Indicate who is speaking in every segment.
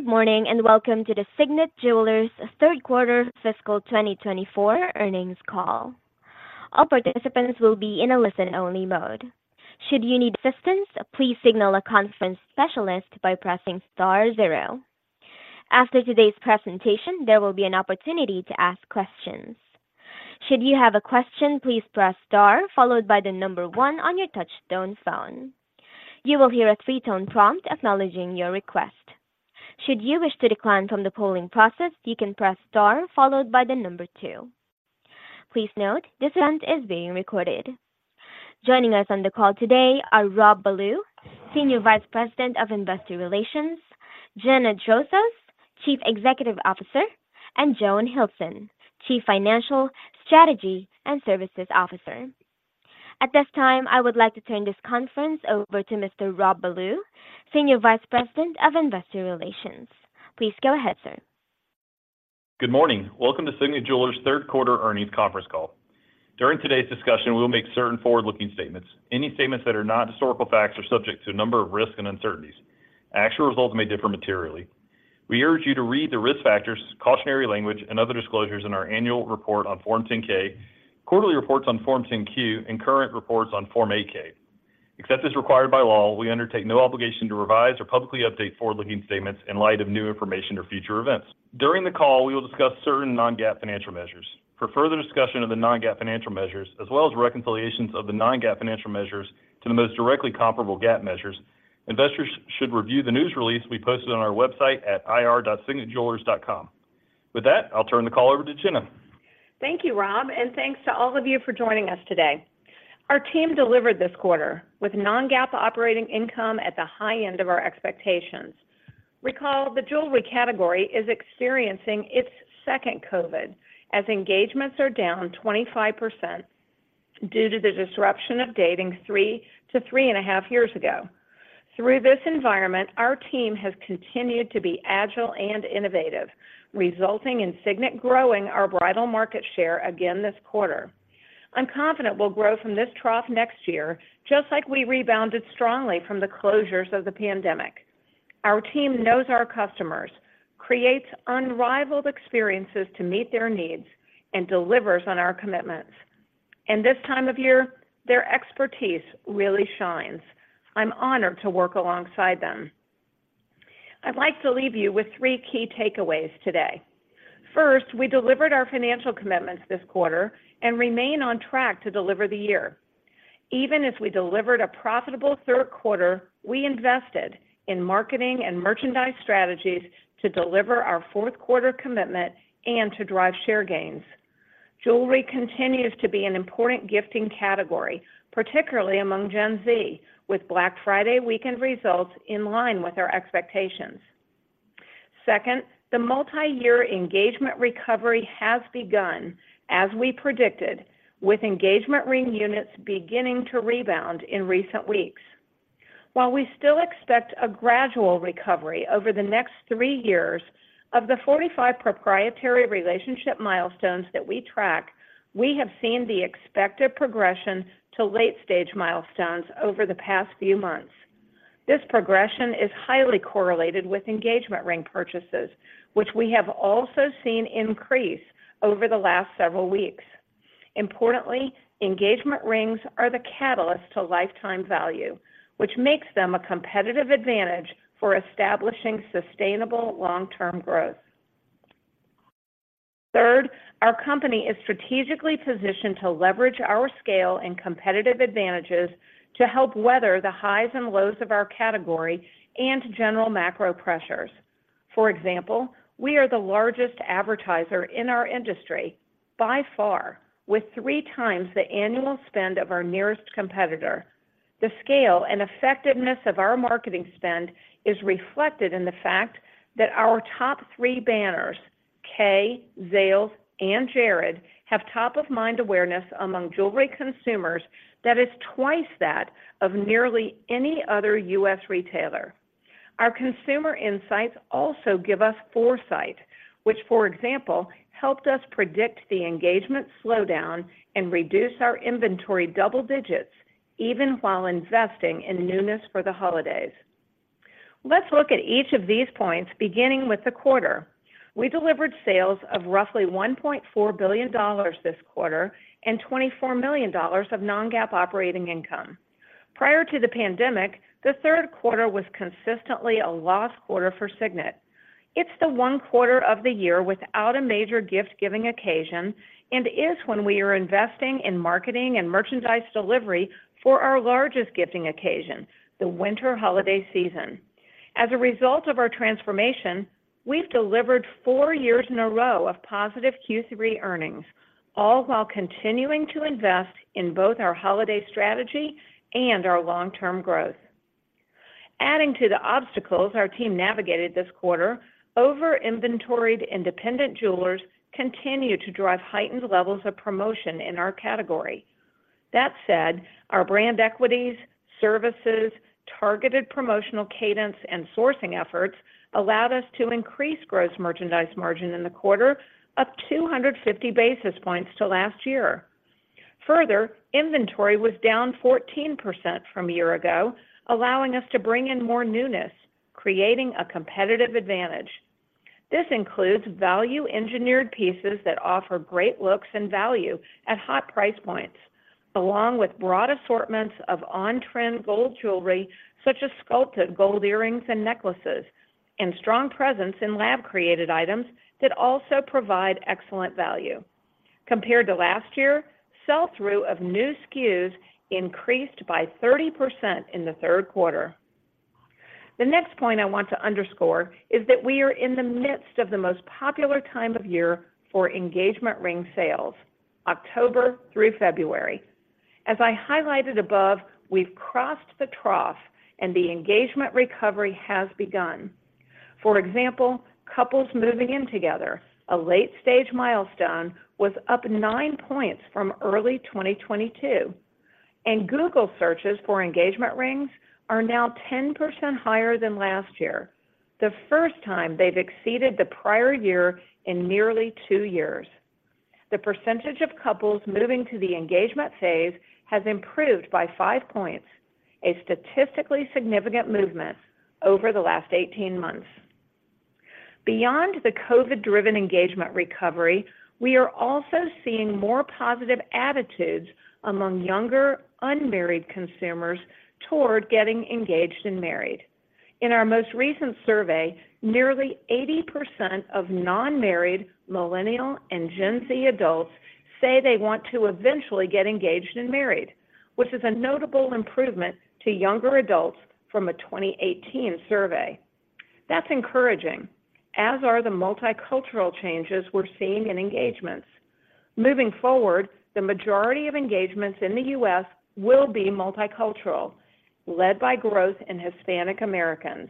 Speaker 1: Good morning, and welcome to the Signet Jewelers third quarter fiscal 2024 earnings call. All participants will be in a listen-only mode. Should you need assistance, please signal a conference specialist by pressing star zero. After today's presentation, there will be an opportunity to ask questions. Should you have a question, please press star followed by the number one on your touchtone phone. You will hear a three tone prompt acknowledging your request. Should you wish to decline from the polling process, you can press star followed by the number two. Please note, this event is being recorded. Joining us on the call today are Rob Ballew, Senior Vice President of Investor Relations, Gina Drosos, Chief Executive Officer, and Joan Hilson, Chief Financial, Strategy, and Services Officer. At this time, I would like to turn this conference over to Mr. Rob Ballew, Senior Vice President of Investor Relations. Please go ahead, sir.
Speaker 2: Good morning. Welcome to Signet Jewelers third quarter earnings conference call. During today's discussion, we will make certain forward-looking statements. Any statements that are not historical facts are subject to a number of risks and uncertainties. Actual results may differ materially. We urge you to read the risk factors, cautionary language, and other disclosures in our annual report on Form 10-K, quarterly reports on Form 10-Q, and current reports on Form 8-K. Except as required by law, we undertake no obligation to revise or publicly update forward-looking statements in light of new information or future events. During the call, we will discuss certain non-GAAP financial measures. For further discussion of the non-GAAP financial measures, as well as reconciliations of the non-GAAP financial measures to the most directly comparable GAAP measures, investors should review the news release we posted on our website at ir.signetjewelers.com. With that, I'll turn the call over to Gina.
Speaker 3: Thank you, Rob, and thanks to all of you for joining us today. Our team delivered this quarter with non-GAAP operating income at the high end of our expectations. Recall, the jewelry category is experiencing its second COVID, as engagements are down 25% due to the disruption of dating three to three and a-half years ago. Through this environment, our team has continued to be agile and innovative, resulting in Signet growing our bridal market share again this quarter. I'm confident we'll grow from this trough next year, just like we rebounded strongly from the closures of the pandemic. Our team knows our customers, creates unrivaled experiences to meet their needs, and delivers on our commitments. This time of year, their expertise really shines. I'm honored to work alongside them. I'd like to leave you with three key takeaways today. First, we delivered our financial commitments this quarter and remain on track to deliver the year. Even as we delivered a profitable third quarter, we invested in marketing and merchandise strategies to deliver our fourth quarter commitment and to drive share gains. Jewelry continues to be an important gifting category, particularly among Gen Z, with Black Friday weekend results in line with our expectations. Second, the multi-year engagement recovery has begun, as we predicted, with engagement ring units beginning to rebound in recent weeks. While we still expect a gradual recovery over the next three years, of the 45 proprietary relationship milestones that we track, we have seen the expected progression to late-stage milestones over the past few months. This progression is highly correlated with engagement ring purchases, which we have also seen increase over the last several weeks. Importantly, engagement rings are the catalyst to lifetime value, which makes them a competitive advantage for establishing sustainable long-term growth. Third, our company is strategically positioned to leverage our scale and competitive advantages to help weather the highs and lows of our category and general macro pressures. For example, we are the largest advertiser in our industry by far, with three times the annual spend of our nearest competitor. The scale and effectiveness of our marketing spend is reflected in the fact that our top three banners, Kay, Zales, and Jared, have top-of-mind awareness among jewelry consumers that is twice that of nearly any other U.S. retailer. Our consumer insights also give us foresight, which, for example, helped us predict the engagement slowdown and reduce our inventory double digits, even while investing in newness for the holidays. Let's look at each of these points, beginning with the quarter. We delivered sales of roughly $1.4 billion this quarter and $24 million of non-GAAP operating income. Prior to the pandemic, the third quarter was consistently a lost quarter for Signet. It's the one quarter of the year without a major gift-giving occasion, and is when we are investing in marketing and merchandise delivery for our largest gifting occasion, the winter holiday season. As a result of our transformation, we've delivered four years in a row of positive Q3 earnings, all while continuing to invest in both our holiday strategy and our long-term growth. Adding to the obstacles our team navigated this quarter, over-inventoried independent jewelers continued to drive heightened levels of promotion in our category. That said, our brand equities, services, targeted promotional cadence, and sourcing efforts allowed us to increase gross merchandise margin in the quarter up 250 basis points to last year. Further, inventory was down 14% from a year ago, allowing us to bring in more newness, creating a competitive advantage. This includes value-engineered pieces that offer great looks and value at hot price points, along with broad assortments of on-trend gold jewelry, such as sculpted gold earrings and necklaces, and strong presence in lab-created items that also provide excellent value. Compared to last year, sell-through of new SKUs increased by 30% in the third quarter. The next point I want to underscore is that we are in the midst of the most popular time of year for engagement ring sales, October through February. As I highlighted above, we've crossed the trough and the engagement recovery has begun. For example, couples moving in together, a late-stage milestone, was up 9 points from early 2022, and Google searches for engagement rings are now 10% higher than last year, the first time they've exceeded the prior year in nearly two years. The percentage of couples moving to the engagement phase has improved by 5 points, a statistically significant movement over the last 18 months. Beyond the COVID-driven engagement recovery, we are also seeing more positive attitudes among younger, unmarried consumers toward getting engaged and married. In our most recent survey, nearly 80% of non-married Millennial and Gen Z adults say they want to eventually get engaged and married, which is a notable improvement to younger adults from a 2018 survey. That's encouraging, as are the multicultural changes we're seeing in engagements. Moving forward, the majority of engagements in the U.S. will be multicultural, led by growth in Hispanic Americans.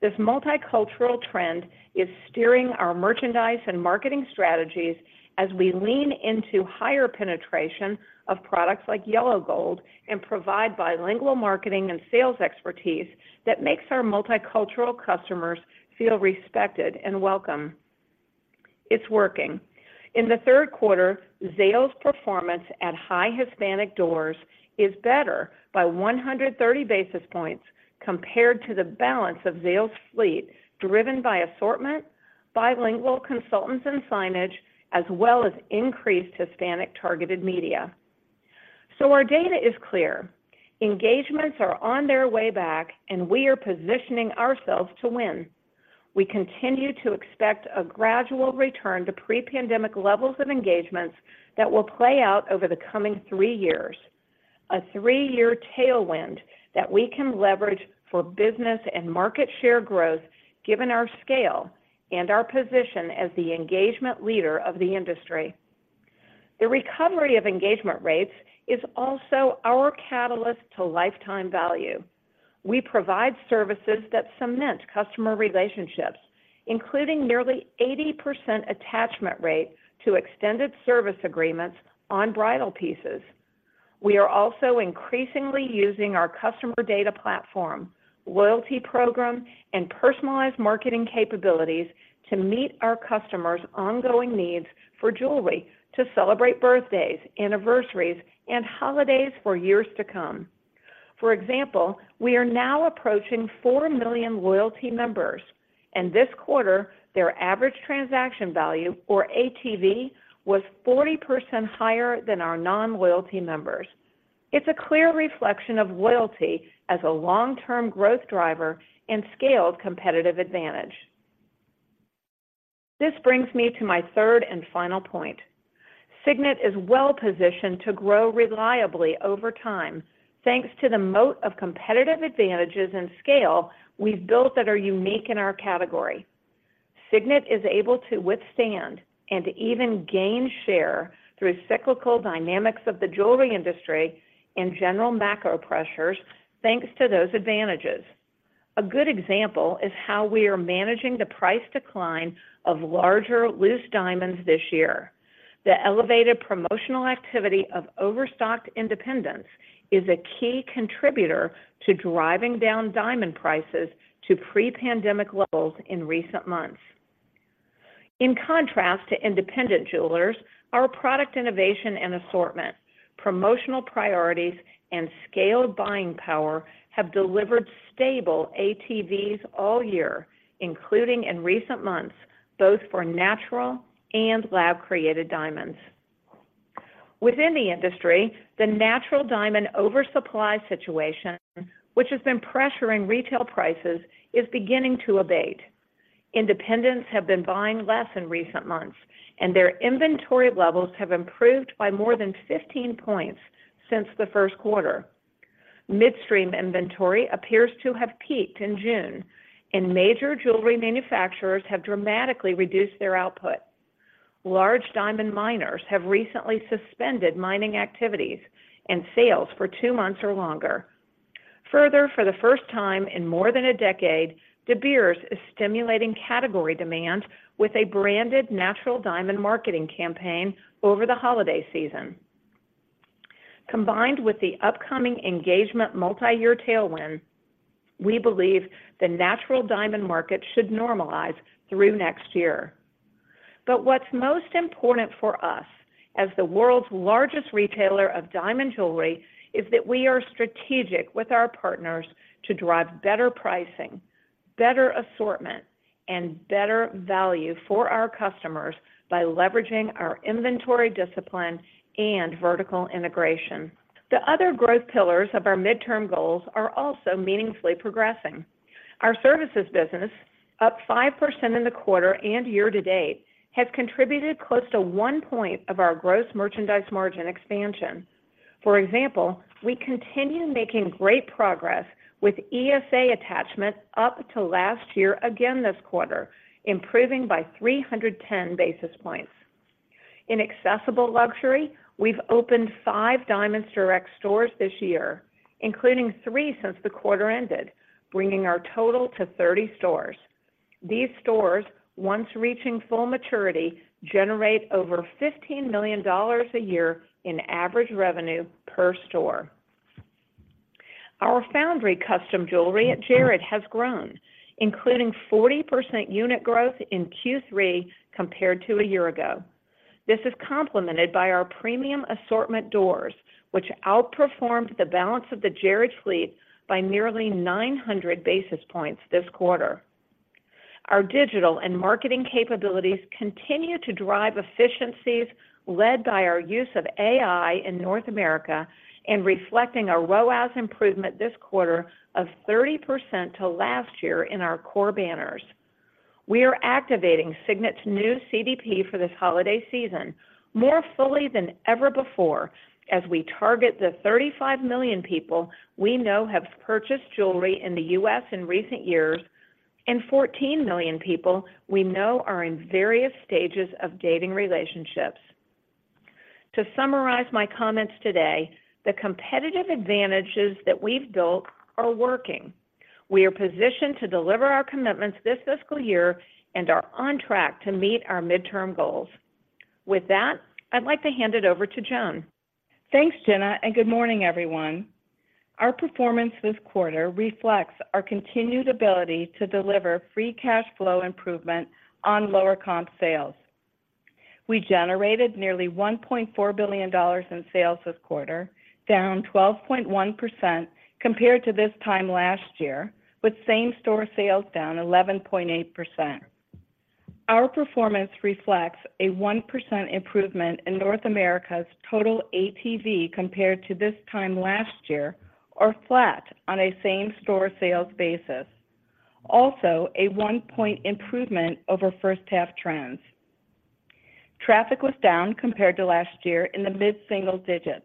Speaker 3: This multicultural trend is steering our merchandise and marketing strategies as we lean into higher penetration of products like yellow gold and provide bilingual marketing and sales expertise that makes our multicultural customers feel respected and welcome. It's working. In the third quarter, Zales' performance at high Hispanic doors is better by 130 basis points compared to the balance of Zales' fleet, driven by assortment, bilingual consultants and signage, as well as increased Hispanic-targeted media. Our data is clear, engagements are on their way back, and we are positioning ourselves to win. We continue to expect a gradual return to pre-pandemic levels of engagements that will play out over the coming three years, a three year tailwind that we can leverage for business and market share growth, given our scale and our position as the engagement leader of the industry. The recovery of engagement rates is also our catalyst to lifetime value. We provide services that cement customer relationships, including nearly 80% attachment rate to extended service agreements on bridal pieces. We are also increasingly using our customer data platform, loyalty program, and personalized marketing capabilities to meet our customers' ongoing needs for jewelry to celebrate birthdays, anniversaries, and holidays for years to come. For example, we are now approaching 4 million loyalty members, and this quarter, their average transaction value, or ATV, was 40% higher than our non-loyalty members. It's a clear reflection of loyalty as a long-term growth driver and scaled competitive advantage. This brings me to my third and final point. Signet is well-positioned to grow reliably over time, thanks to the moat of competitive advantages and scale we've built that are unique in our category. Signet is able to withstand and even gain share through cyclical dynamics of the jewelry industry and general macro pressures, thanks to those advantages. A good example is how we are managing the price decline of larger loose diamonds this year. The elevated promotional activity of overstocked independents is a key contributor to driving down diamond prices to pre-pandemic levels in recent months. In contrast to independent jewelers, our product innovation and assortment, promotional priorities, and scaled buying power have delivered stable ATVs all year, including in recent months, both for natural and lab-created diamonds. Within the industry, the natural diamond oversupply situation, which has been pressuring retail prices, is beginning to abate. Independents have been buying less in recent months, and their inventory levels have improved by more than 15 points since the first quarter. Midstream inventory appears to have peaked in June, and major jewelry manufacturers have dramatically reduced their output. Large diamond miners have recently suspended mining activities and sales for two months or longer. Further, for the first time in more than a decade, De Beers is stimulating category demand with a branded natural diamond marketing campaign over the holiday season. Combined with the upcoming engagement multi-year tailwind. We believe the natural diamond market should normalize through next year. What's most important for us as the world's largest retailer of diamond jewelry is that we are strategic with our partners to drive better pricing, better assortment, and better value for our customers by leveraging our inventory discipline and vertical integration. The other growth pillars of our midterm goals are also meaningfully progressing. Our services business, up 5% in the quarter and year-to-date, has contributed close to one point of our gross merchandise margin expansion. For example, we continue making great progress with ESA attachment up to last year, again this quarter, improving by 310 basis points. In accessible luxury, we've opened five Diamonds Direct stores this year, including three since the quarter ended, bringing our total to 30 stores. These stores, once reaching full maturity, generate over $15 million a year in average revenue per store. Our Foundry custom jewelry at Jared has grown, including 40% unit growth in Q3 compared to a year ago. This is complemented by our premium assortment doors, which outperformed the balance of the Jared fleet by nearly 900 basis points this quarter. Our digital and marketing capabilities continue to drive efficiencies led by our use of AI in North America and reflecting a ROAS improvement this quarter of 30% to last year in our core banners. We are activating Signet's new CDP for this holiday season more fully than ever before as we target the 35 million people we know have purchased jewelry in the U.S. in recent years, and 14 million people we know are in various stages of dating relationships. To summarize my comments today, the competitive advantages that we've built are working. We are positioned to deliver our commitments this fiscal year and are on track to meet our midterm goals. With that, I'd like to hand it over to Joan.
Speaker 4: Thanks, Gina, and good morning, everyone. Our performance this quarter reflects our continued ability to deliver free cash flow improvement on lower comp sales. We generated nearly $1.4 billion in sales this quarter, down 12.1% compared to this time last year, with same-store sales down 11.8%. Our performance reflects a 1% improvement in North America's total ATV compared to this time last year, or flat on a same-store sales basis. Also, a 1 point improvement over first half trends. Traffic was down compared to last year in the mid single digits.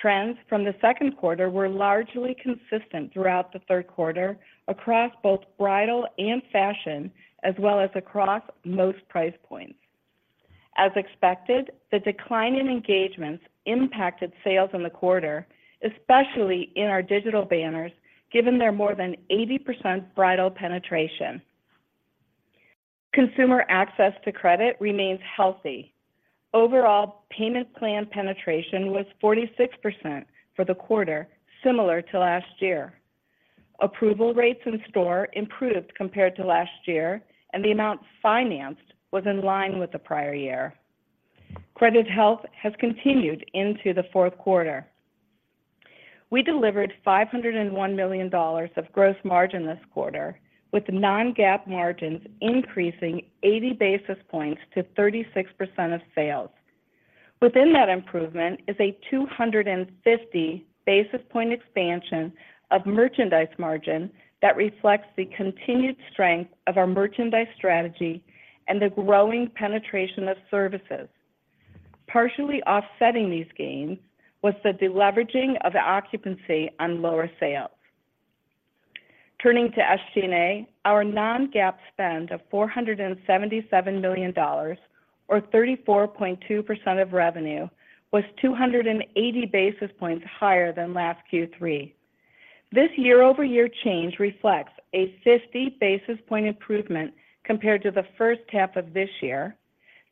Speaker 4: Trends from the second quarter were largely consistent throughout the third quarter across both bridal and fashion, as well as across most price points. As expected, the decline in engagements impacted sales in the quarter, especially in our digital banners, given their more than 80% bridal penetration. Consumer access to credit remains healthy. Overall, payment plan penetration was 46% for the quarter, similar to last year. Approval rates in store improved compared to last year, and the amount financed was in line with the prior year. Credit health has continued into the fourth quarter. We delivered $501 million of gross margin this quarter, with non-GAAP margins increasing 80 basis points to 36% of sales. Within that improvement is a 250 basis points expansion of merchandise margin that reflects the continued strength of our merchandise strategy and the growing penetration of services. Partially offsetting these gains was the deleveraging of occupancy on lower sales. Turning to SG&A, our non-GAAP spend of $477 million or 34.2% of revenue, was 280 basis points higher than last Q3. This year-over-year change reflects a 50 basis point improvement compared to the first half of this year,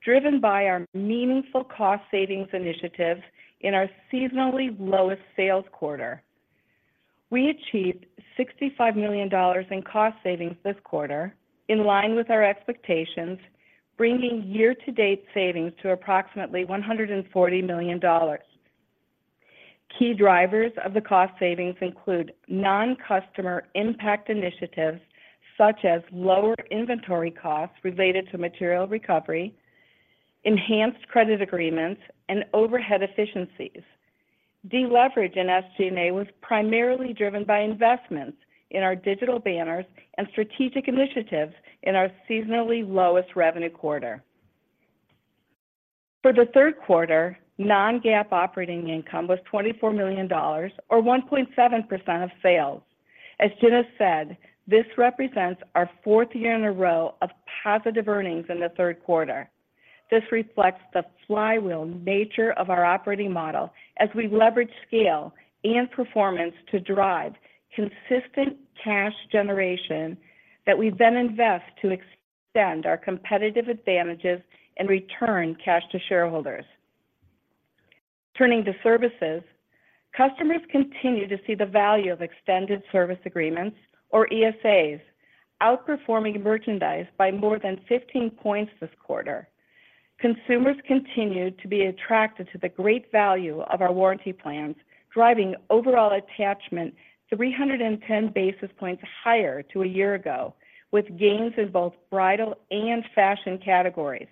Speaker 4: driven by our meaningful cost savings initiatives in our seasonally lowest sales quarter. We achieved $65 million in cost savings this quarter, in line with our expectations, bringing year-to-date savings to approximately $140 million. Key drivers of the cost savings include non-customer impact initiatives, such as lower inventory costs related to material recovery, enhanced credit agreements, and overhead efficiencies. Deleverage in SG&A was primarily driven by investments in our digital banners and strategic initiatives in our seasonally lowest revenue quarter. For the third quarter, non-GAAP operating income was $24 million or 1.7% of sales. As Gina said, this represents our fourth year in a row of positive earnings in the third quarter. This reflects the flywheel nature of our operating model as we leverage scale and performance to drive consistent cash generation that we then invest to extend our competitive advantages and return cash to shareholders. Turning to services, customers continue to see the value of extended service agreements or ESAs, outperforming merchandise by more than 15 points this quarter. Consumers continued to be attracted to the great value of our warranty plans, driving overall attachment 310 basis points higher than a year ago, with gains in both bridal and fashion categories.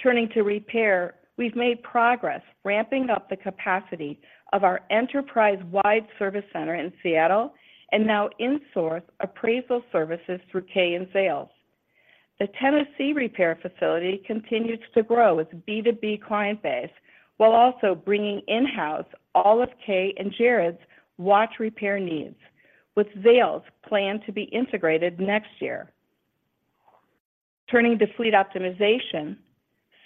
Speaker 4: Turning to repair, we've made progress ramping up the capacity of our enterprise-wide service center in Seattle, and now in-source appraisal services through Kay and Zales. The Tennessee repair facility continues to grow its B2B client base, while also bringing in-house all of Kay and Jared's watch repair needs, with Zales planned to be integrated next year. Turning to fleet optimization,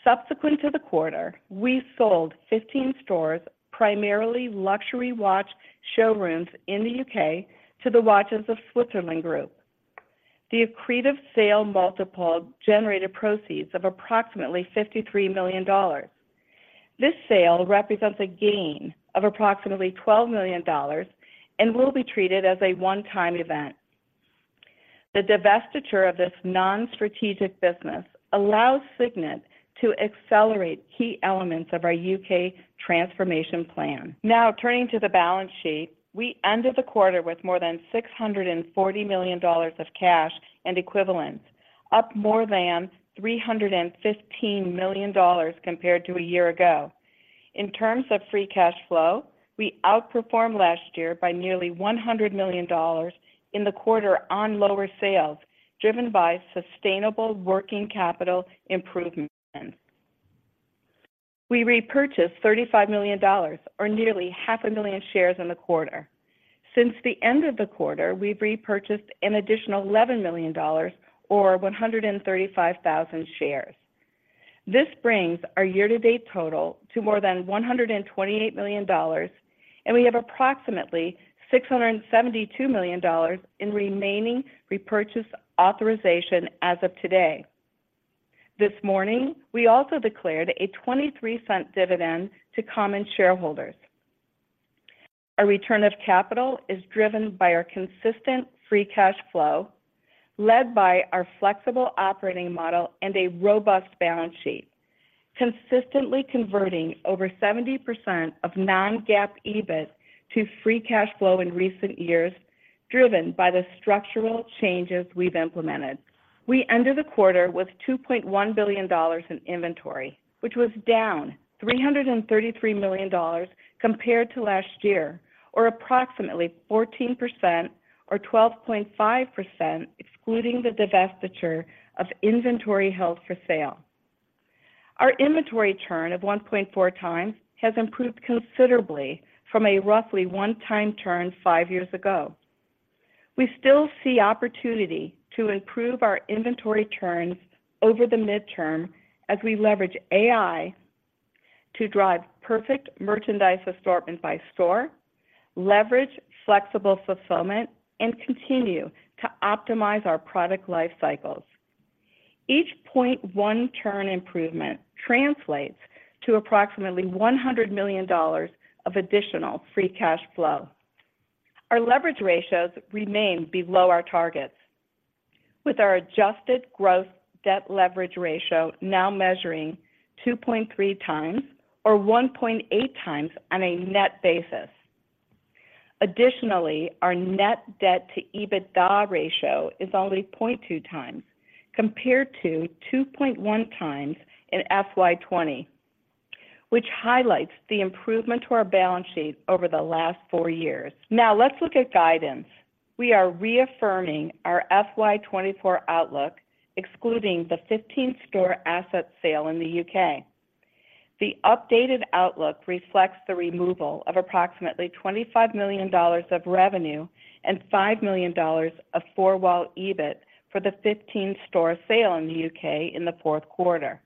Speaker 4: subsequent to the quarter, we sold 15 stores, primarily luxury watch showrooms in the U.K., to the Watches of Switzerland Group. The accretive sale multiple generated proceeds of approximately $53 million. This sale represents a gain of approximately $12 million and will be treated as a one-time event. The divestiture of this non-strategic business allows Signet to accelerate key elements of our U.K. transformation plan. Now, turning to the balance sheet, we ended the quarter with more than $640 million of cash and equivalents, up more than $315 million compared to a year ago. In terms of free cash flow, we outperformed last year by nearly $100 million in the quarter on lower sales, driven by sustainable working capital improvements. We repurchased $35 million or nearly 500,000 shares in the quarter. Since the end of the quarter, we've repurchased an additional $11 million or 135,000 shares. This brings our year-to-date total to more than $128 million, and we have approximately $672 million in remaining repurchase authorization as of today. This morning, we also declared a $0.23 dividend to common shareholders. Our return of capital is driven by our consistent free cash flow, led by our flexible operating model and a robust balance sheet, consistently converting over 70% of non-GAAP EBIT to free cash flow in recent years, driven by the structural changes we've implemented. We ended the quarter with $2.1 billion in inventory, which was down $333 million compared to last year, or approximately 14% or 12.5%, excluding the divestiture of inventory held for sale. Our inventory turn of 1.4x has improved considerably from a roughly one-time turn five years ago. We still see opportunity to improve our inventory turns over the midterm as we leverage AI to drive perfect merchandise assortment by store, leverage flexible fulfillment, and continue to optimize our product life cycles. Each 0.1 turn improvement translates to approximately $100 million of additional free cash flow. Our leverage ratios remain below our targets, with our adjusted gross debt leverage ratio now measuring 2.3x or 1.8x on a net basis. Additionally, our net debt to EBITDA ratio is only 0.2x compared to 2.1x in FY 2020, which highlights the improvement to our balance sheet over the last four years. Now, let's look at guidance. We are reaffirming our FY 2024 outlook, excluding the 15 store asset sale in the U.K. The updated outlook reflects the removal of approximately $25 million of revenue and $5 million of Four-Wall EBIT for the 15 store sale in the U.K. in the fourth quarter.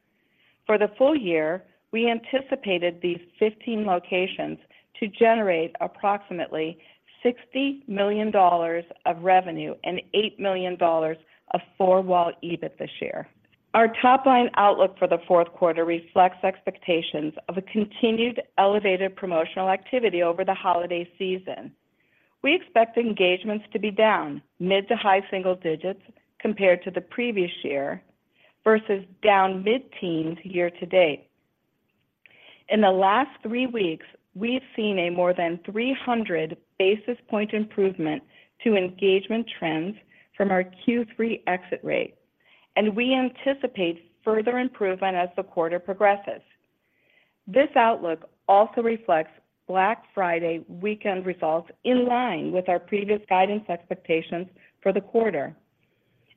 Speaker 4: For the full year, we anticipated these 15 locations to generate approximately $60 million of revenue and $8 million of Four-Wall EBIT this year. Our top-line outlook for the fourth quarter reflects expectations of a continued elevated promotional activity over the holiday season. We expect engagements to be down mid- to high-single digits compared to the previous year, versus down mid-teens year-to-date. In the last three weeks, we've seen a more than 300 basis point improvement to engagement trends from our Q3 exit rate, and we anticipate further improvement as the quarter progresses. This outlook also reflects Black Friday weekend results in line with our previous guidance expectations for the quarter.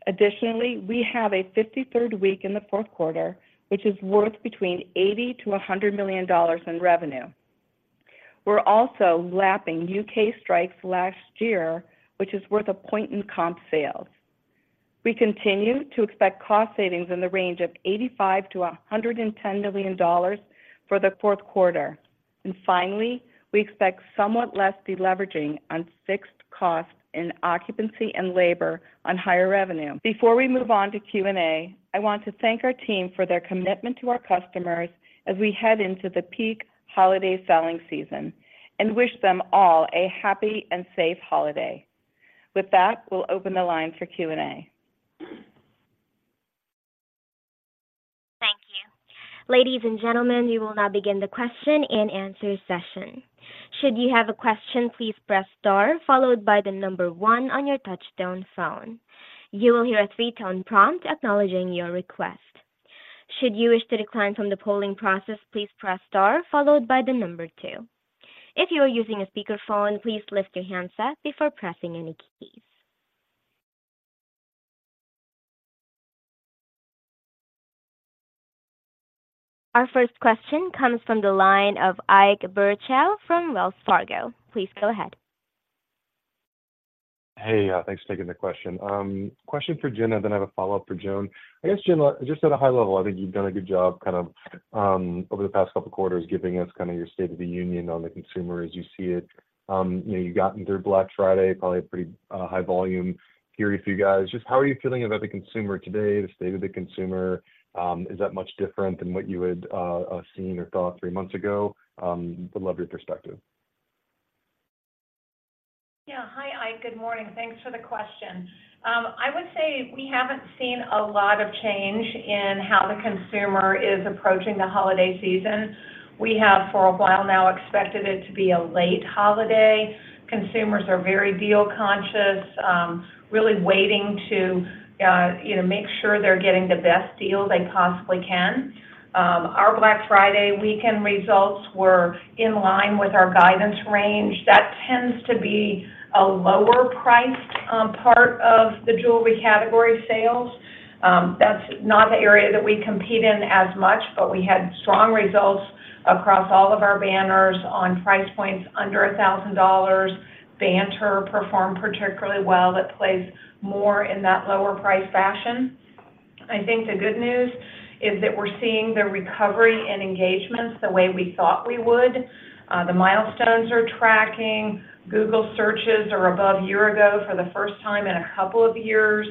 Speaker 4: Additionally, we have a fifty-third week in the fourth quarter, which is worth between $80 million-$100 million in revenue. We're also lapping UK strikes last year, which is worth a point in comp sales. We continue to expect cost savings in the range of $85 million-$110 million for the fourth quarter. Finally, we expect somewhat less deleveraging on fixed costs in occupancy and labor on higher revenue. Before we move on to Q&A, I want to thank our team for their commitment to our customers as we head into the peak holiday selling season, and wish them all a happy and safe holiday. With that, we'll open the line for Q&A.
Speaker 1: Thank you. Ladies and gentlemen, we will now begin the question-and-answer session. Should you have a question, please press star followed by the number one on your touchtone phone. You will hear a three tone prompt acknowledging your request. Should you wish to decline from the polling process, please press star followed by the number two. If you are using a speakerphone, please lift your handset before pressing any keys. Our first question comes from the line of Ike Boruchow from Wells Fargo. Please go ahead.
Speaker 5: Hey, thanks for taking the question. Question for Gina, then I have a follow-up for Joan. I guess, Gina, just at a high level, I think you've done a good job kind of over the past couple of quarters, giving us kinda your State of the Union on the consumer as you see it. You know, you've gotten through Black Friday, probably a pretty high volume period for you guys. Just how are you feeling about the consumer today, the state of the consumer? Is that much different than what you had seen or thought three months ago? Would love your perspective.
Speaker 3: Yeah. Hi, Ike. Good morning. Thanks for the question. I would say we haven't seen a lot of change in how the consumer is approaching the holiday season. We have, for a while now, expected it to be a late holiday. Consumers are very deal conscious, really waiting to, you know, make sure they're getting the best deal they possibly can. Our Black Friday weekend results were in line with our guidance range. That tends to be a lower-priced part of the jewelry category sales. That's not the area that we compete in as much, but we had strong results across all of our banners on price points under $1,000. Banter performed particularly well. That plays more in that lower price fashion. I think the good news is that we're seeing the recovery in engagements the way we thought we would. The milestones are tracking. Google searches are above year ago for the first time in a couple of years,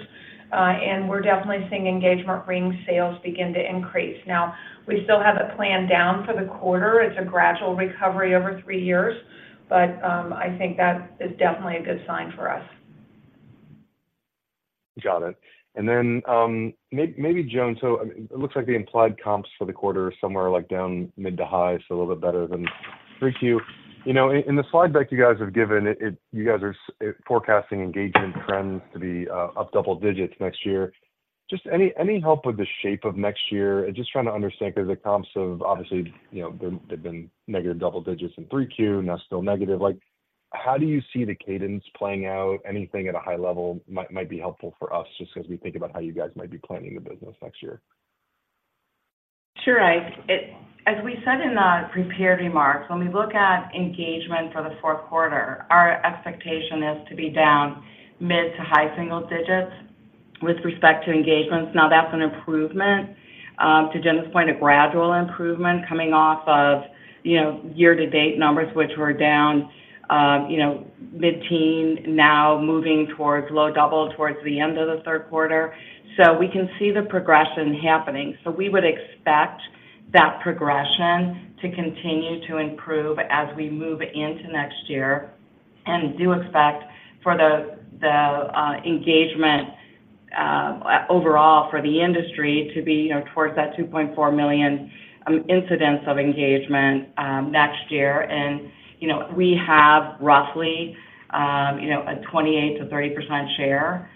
Speaker 3: and we're definitely seeing engagement ring sales begin to increase. Now, we still have it planned down for the quarter. It's a gradual recovery over three years, but, I think that is definitely a good sign for us.
Speaker 5: Got it. And then, maybe Joan, so it looks like the implied comps for the quarter are somewhere, like, down mid to high, so a little bit better than 3Q. You know, in the slide deck you guys have given, it, you guys are forecasting engagement trends to be up double digits next year. Just any help with the shape of next year? Just trying to understand 'cause the comps have obviously, you know, they've been negative double digits in 3Q, now still negative. Like, how do you see the cadence playing out? Anything at a high level might be helpful for us, just as we think about how you guys might be planning the business next year.
Speaker 4: Sure, Ike. As we said in the prepared remarks, when we look at engagement for the fourth quarter, our expectation is to be down mid- to high-single digits with respect to engagements. Now, that's an improvement, to Gina's point, a gradual improvement coming off of, you know, year-to-date numbers, which were down, you know, mid-teens, now moving towards low-double digits towards the end of the third quarter. So we can see the progression happening. So we would expect that progression to continue to improve as we move into next year, and do expect for the, the, engagement, overall for the industry to be, you know, towards that 2.4 million incidents of engagement, next year. You know, we have roughly, you know, a 28%-30% share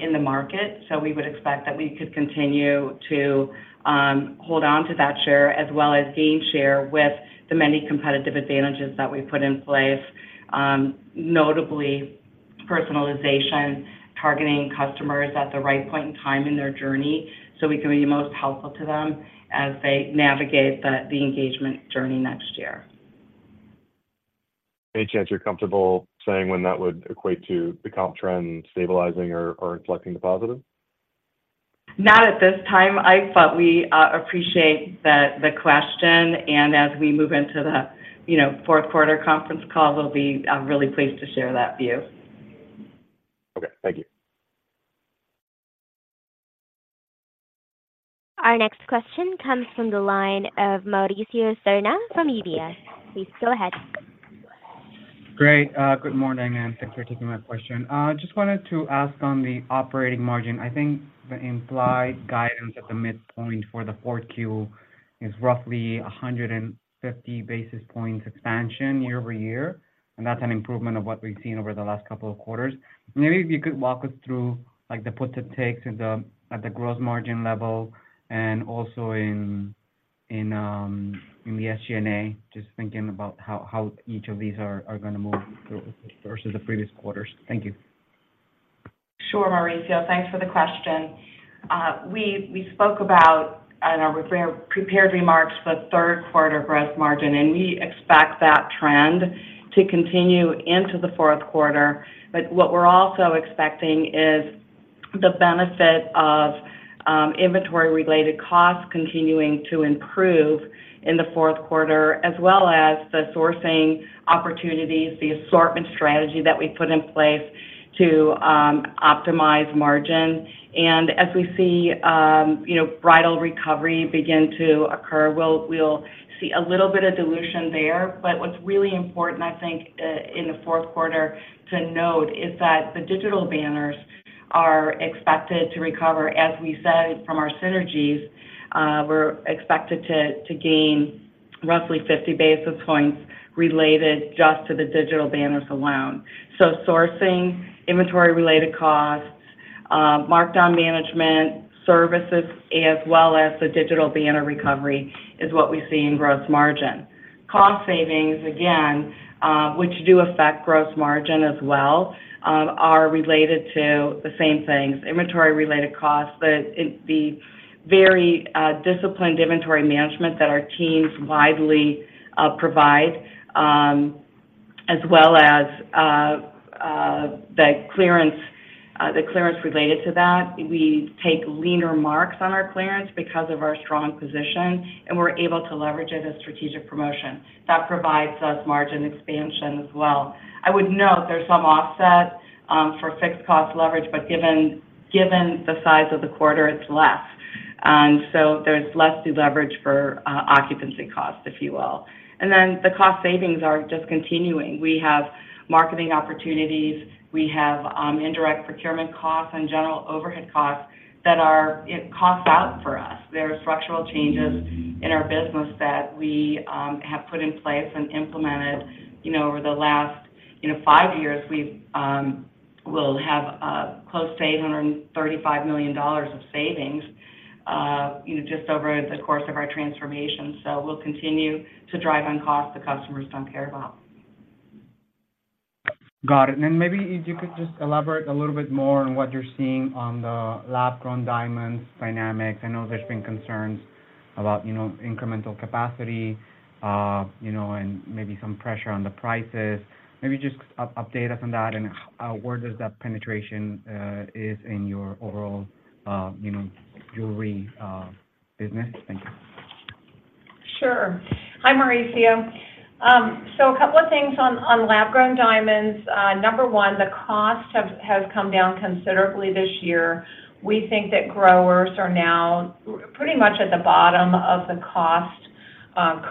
Speaker 4: in the market, so we would expect that we could continue to hold on to that share, as well as gain share with the many competitive advantages that we've put in place. Notably, personalization, targeting customers at the right point in time in their journey, so we can be most helpful to them as they navigate the engagement journey next year.
Speaker 5: Any chance you're comfortable saying when that would equate to the comp trend stabilizing or, or inflecting the positive?
Speaker 4: Not at this time, Ike, but we appreciate the question, and as we move into the, you know, fourth quarter conference call, we'll be really pleased to share that view.
Speaker 5: Okay. Thank you.
Speaker 1: Our next question comes from the line of Mauricio Serna from UBS. Please go ahead.
Speaker 6: Great. Good morning, and thanks for taking my question. Just wanted to ask on the operating margin, I think the implied guidance at the midpoint for the 4Q is roughly 150 basis points expansion year-over-year, and that's an improvement of what we've seen over the last couple of quarters. Maybe if you could walk us through, like, the puts and takes at the, at the gross margin level and also in, in, in the SGNA, just thinking about how, how each of these are, are gonna move through versus the previous quarters. Thank you.
Speaker 4: Sure, Mauricio. Thanks for the question. We spoke about, in our pre-prepared remarks, the third quarter gross margin, and we expect that trend to continue into the fourth quarter. But what we're also expecting is the benefit of inventory-related costs continuing to improve in the fourth quarter, as well as the sourcing opportunities, the assortment strategy that we put in place to optimize margin. And as we see, you know, bridal recovery begin to occur, we'll see a little bit of dilution there. But what's really important, I think, in the fourth quarter to note, is that the digital banners are expected to recover. As we said, from our synergies, we're expected to gain roughly 50 basis points related just to the digital banners alone. So sourcing, inventory-related costs, markdown management, services, as well as the digital banner recovery, is what we see in gross margin. Cost savings, again, which do affect gross margin as well, are related to the same things, inventory-related costs, but the very, disciplined inventory management that our teams widely provide, as well as, the clearance, the clearance related to that. We take leaner marks on our clearance because of our strong position, and we're able to leverage it as strategic promotion. That provides us margin expansion as well. I would note there's some offset, for fixed cost leverage, but given, given the size of the quarter, it's less. And so there's less deleverage for, occupancy costs, if you will. And then, the cost savings are just continuing. We have marketing opportunities, we have indirect procurement costs and general overhead costs that are it costs out for us. There are structural changes in our business that we have put in place and implemented, you know, over the last, you know, five years. We'll have close to $835 million of savings, you know, just over the course of our transformation. So we'll continue to drive on costs the customers don't care about.
Speaker 6: Got it. And then maybe if you could just elaborate a little bit more on what you're seeing on the lab-grown diamonds dynamics. I know there's been concerns about, you know, incremental capacity, you know, and maybe some pressure on the prices. Maybe just update us on that, and where does that penetration is in your overall, you know, jewelry business? Thank you.
Speaker 3: Sure. Hi, Mauricio. So a couple of things on lab-grown diamonds. Number one, the costs have come down considerably this year. We think that growers are now pretty much at the bottom of the cost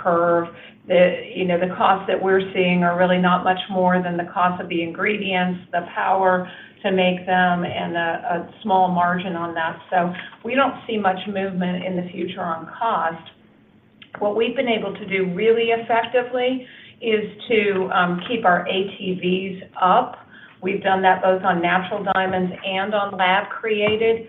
Speaker 3: curve. You know, the costs that we're seeing are really not much more than the cost of the ingredients, the power to make them, and a small margin on that. So we don't see much movement in the future on cost. What we've been able to do really effectively is to keep our ATVs up. We've done that both on natural diamonds and on lab-created.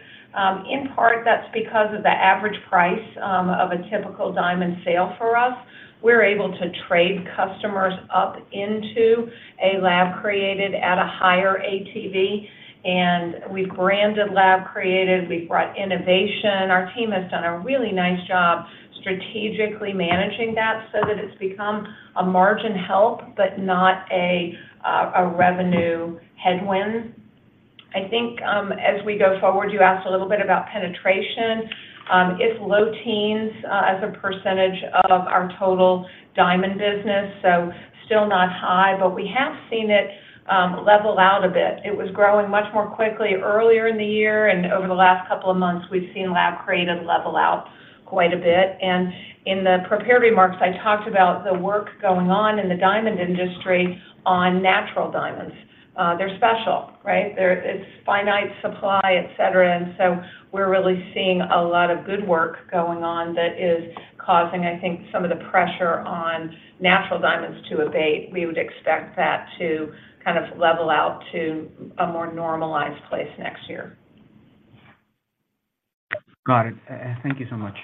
Speaker 3: In part, that's because of the average price of a typical diamond sale for us. We're able to trade customers up into a lab-created at a higher ATV, and we've branded lab-created, we've brought innovation. Our team has done a really nice job strategically managing that so that it's become a margin help, but not a a revenue headwind. I think, as we go forward, you asked a little bit about penetration. It's low teens as a percentage of our total diamond business, so still not high, but we have seen it level out a bit. It was growing much more quickly earlier in the year, and over the last couple of months, we've seen lab-created level out quite a bit. And in the prepared remarks, I talked about the work going on in the diamond industry on natural diamonds. They're special, right? It's finite supply, et cetera, and so we're really seeing a lot of good work going on that is causing, I think, some of the pressure on natural diamonds to abate. We would expect that to kind of level out to a more normalized place next year.
Speaker 6: Got it. Thank you so much.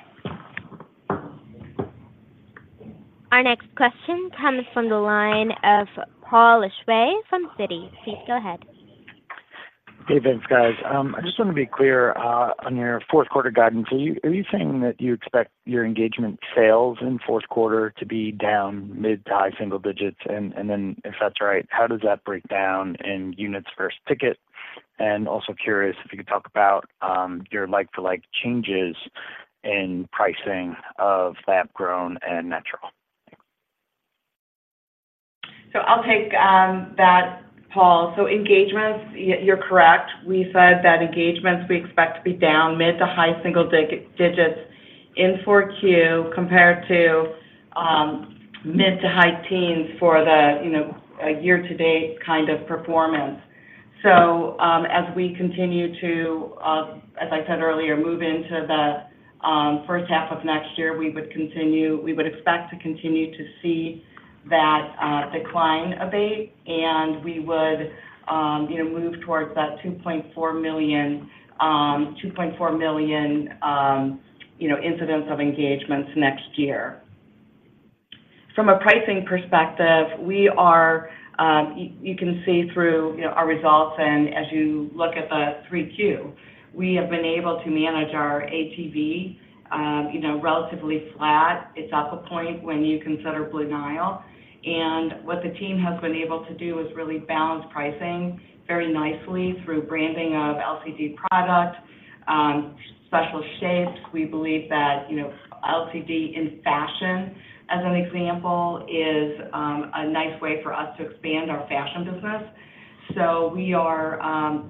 Speaker 1: Our next question comes from the line of Paul Lejuez from Citi. Please go ahead.
Speaker 7: Hey, thanks, guys. I just want to be clear on your fourth quarter guidance. Are you, are you saying that you expect your engagement sales in fourth quarter to be down mid to high single digits? And then, if that's right, how does that break down in units versus ticket? And also curious if you could talk about your like-to-like changes in pricing of lab-grown and natural.
Speaker 4: So I'll take that, Paul. So engagements, you're correct. We said that engagements, we expect to be down mid- to high-single digits in 4Q, compared to mid- to high-teens for the year-to-date kind of performance. So, as we continue to, as I said earlier, move into the first half of next year, we would continue-- we would expect to continue to see that decline abate, and we would, you know, move towards that 2.4 million-- 2.4 million, you know, incidents of engagements next year. From a pricing perspective, we are, you can see through, you know, our results, and as you look at the Q3, we have been able to manage our ATV, you know, relatively flat. It's at the point when you consider Blue Nile, and what the team has been able to do is really balance pricing very nicely through branding of LGD product, special shapes. We believe that, you know, LGD in fashion, as an example, is a nice way for us to expand our fashion business. So we are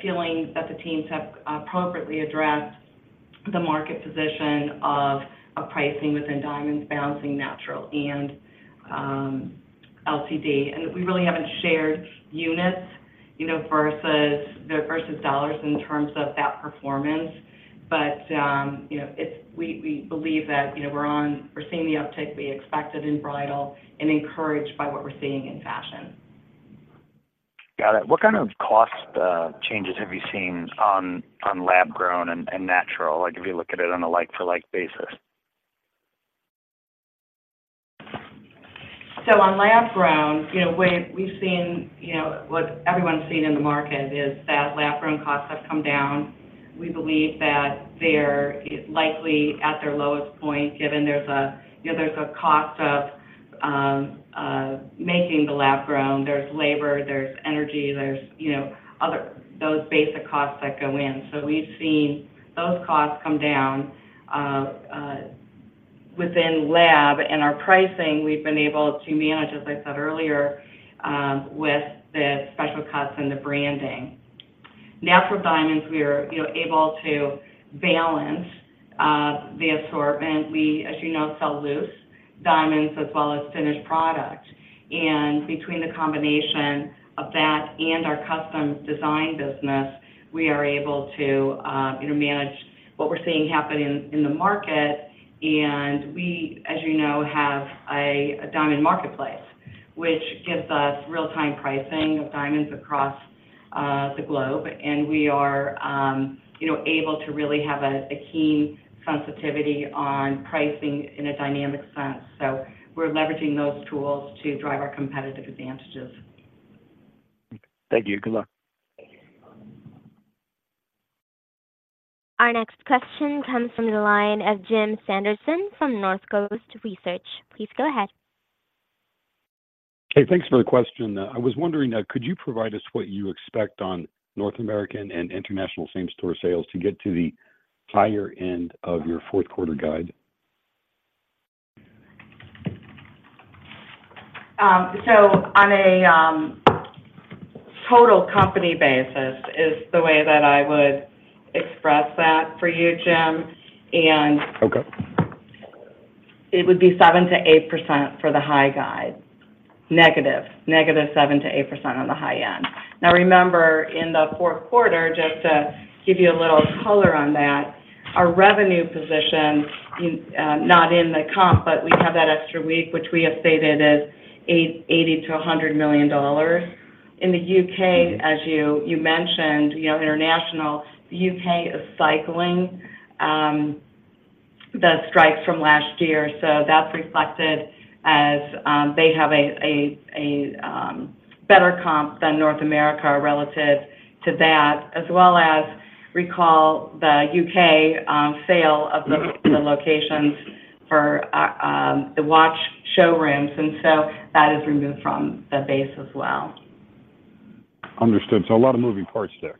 Speaker 4: feeling that the teams have appropriately addressed the market position of, of pricing within diamonds, balancing natural and LGD. And we really haven't shared units, you know, versus the, versus dollars in terms of that performance. But, you know, it's we, we believe that, you know, we're on, we're seeing the uptick we expected in bridal and encouraged by what we're seeing in fashion.
Speaker 7: Got it. What kind of cost changes have you seen on lab-grown and natural, like, if you look at it on a like-for-like basis?
Speaker 4: So on lab-grown, you know, we've seen, you know, what everyone's seen in the market is that lab-grown costs have come down. We believe that they're likely at their lowest point, given there's a, you know, there's a cost of making the lab-grown. There's labor, there's energy, there's, you know, other those basic costs that go in. So we've seen those costs come down within lab, and our pricing, we've been able to manage, as I said earlier, with the special cuts and the branding. Natural diamonds, we are, you know, able to balance the assortment. We, as you know, sell loose diamonds as well as finished product, and between the combination of that and our custom design business, we are able to, you know, manage what we're seeing happen in the market. We, as you know, have a diamond marketplace, which gives us real-time pricing of diamonds across the globe. We are, you know, able to really have a keen sensitivity on pricing in a dynamic sense. We're leveraging those tools to drive our competitive advantages.
Speaker 7: Thank you. Good luck.
Speaker 1: Our next question comes from the line of Jim Sanderson from Northcoast Research. Please go ahead.
Speaker 8: Hey, thanks for the question. I was wondering, could you provide us what you expect on North American and international same-store sales to get to the higher end of your fourth quarter guide?
Speaker 4: So on a total company basis is the way that I would express that for you, Jim. And-
Speaker 8: Okay.
Speaker 4: It would be 7%-8% for the high guide. Negative. -7%to -8% on the high end. Now, remember, in the fourth quarter, just to give you a little color on that, our revenue position, in, not in the comp, but we have that extra week, which we have stated is $80 million-$100 million. In the U.K., as you mentioned, you know, international, the U.K. is cycling the strikes from last year, so that's reflected as they have a better comp than North America relative to that, as well as recall the U.K. sale of the locations for the watch showrooms, and so that is removed from the base as well.
Speaker 8: Understood. So a lot of moving parts there.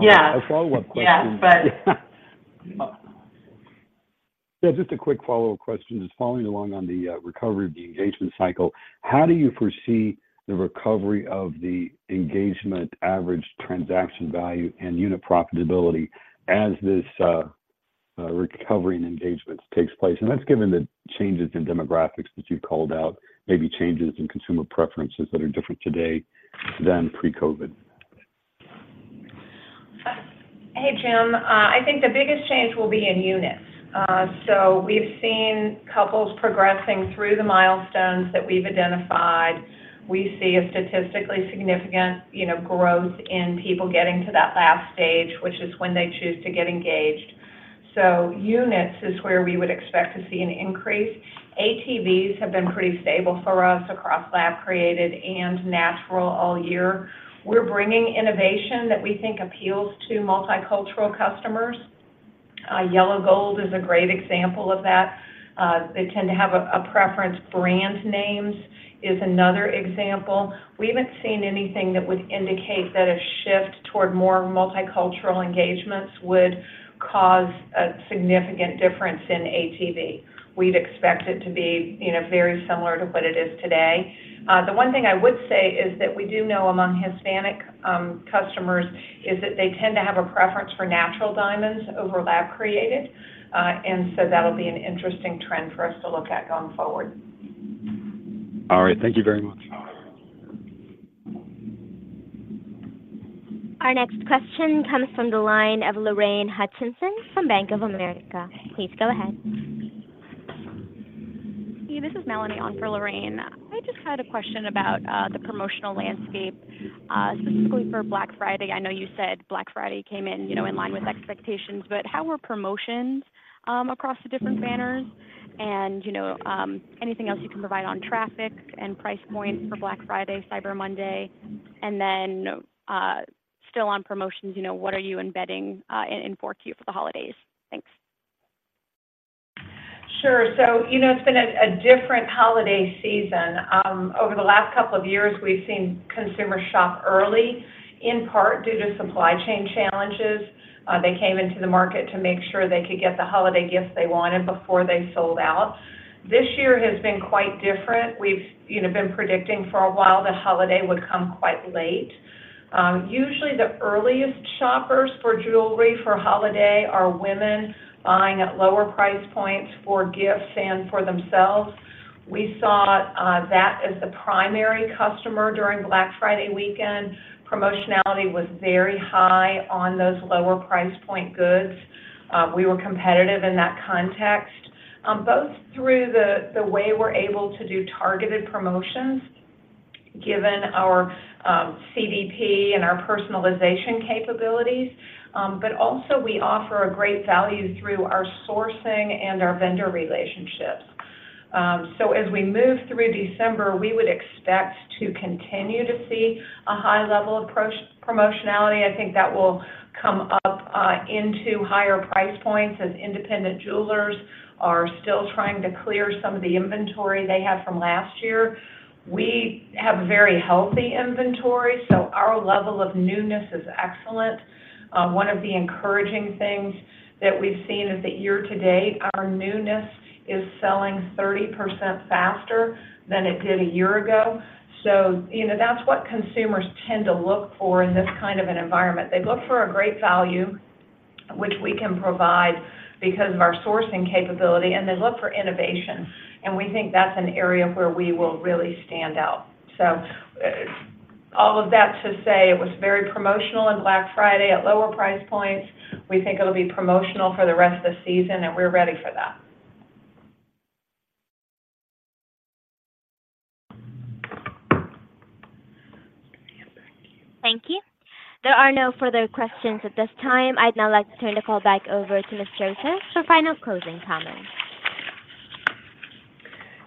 Speaker 4: Yeah.
Speaker 8: A follow-up question.
Speaker 4: Yeah, but-
Speaker 8: Yeah, just a quick follow-up question. Just following along on the recovery of the engagement cycle, how do you foresee the recovery of the engagement average transaction value and unit profitability as this recovery in engagements takes place? And that's given the changes in demographics that you called out, maybe changes in consumer preferences that are different today than pre-COVID.
Speaker 3: Hey, Jim, I think the biggest change will be in units. So we've seen couples progressing through the milestones that we've identified. We see a statistically significant, you know, growth in people getting to that last stage, which is when they choose to get engaged. So units is where we would expect to see an increase. ATVs have been pretty stable for us across lab created and natural all year. We're bringing innovation that we think appeals to multicultural customers. Yellow gold is a great example of that. They tend to have a preference. Brand names is another example. We haven't seen anything that would indicate that a shift toward more multicultural engagements would cause a significant difference in ATV. We'd expect it to be, you know, very similar to what it is today. The one thing I would say is that we do know among Hispanic customers is that they tend to have a preference for natural diamonds over lab created, and so that'll be an interesting trend for us to look at going forward.
Speaker 8: All right. Thank you very much.
Speaker 1: Our next question comes from the line of Lorraine Hutchinson from Bank of America. Please go ahead.
Speaker 9: Hey, this is Melanie on for Lorraine. I just had a question about the promotional landscape, specifically for Black Friday. I know you said Black Friday came in, you know, in line with expectations, but how were promotions across the different banners? And, you know, anything else you can provide on traffic and price points for Black Friday, Cyber Monday, and then still on promotions, you know, what are you embedding in 4Q for the holidays? Thanks.
Speaker 3: Sure. So, you know, it's been a different holiday season. Over the last couple of years, we've seen consumers shop early, in part due to supply chain challenges. They came into the market to make sure they could get the holiday gifts they wanted before they sold out. This year has been quite different. We've, you know, been predicting for a while that holiday would come quite late. Usually, the earliest shoppers for jewelry for holiday are women buying at lower price points for gifts and for themselves. We saw that as the primary customer during Black Friday weekend. Promotionality was very high on those lower price point goods. We were competitive in that context, both through the way we're able to do targeted promotions, given our CDP and our personalization capabilities, but also we offer a great value through our sourcing and our vendor relationships. So as we move through December, we would expect to continue to see a high level of promotionality. I think that will come up into higher price points as independent jewelers are still trying to clear some of the inventory they have from last year. We have very healthy inventory, so our level of newness is excellent. One of the encouraging things that we've seen is that year to date, our newness is selling 30% faster than it did a year ago. So, you know, that's what consumers tend to look for in this kind of an environment. They look for a great value, which we can provide because of our sourcing capability, and they look for innovation, and we think that's an area where we will really stand out. So all of that to say, it was very promotional in Black Friday at lower price points. We think it'll be promotional for the rest of the season, and we're ready for that.
Speaker 1: Thank you. There are no further questions at this time. I'd now like to turn the call back over to Ms. Drosos for final closing comments.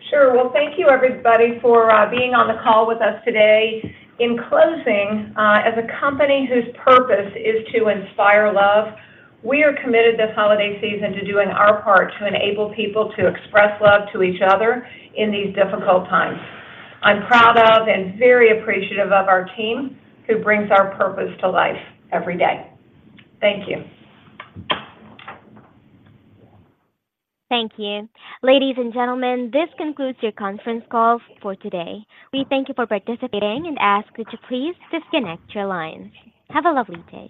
Speaker 3: Sure. Well, thank you, everybody, for being on the call with us today. In closing, as a company whose purpose is to inspire love, we are committed this holiday season to doing our part to enable people to express love to each other in these difficult times. I'm proud of and very appreciative of our team, who brings our purpose to life every day. Thank you.
Speaker 1: Thank you. Ladies and gentlemen, this concludes your conference call for today. We thank you for participating and ask that you please disconnect your lines. Have a lovely day.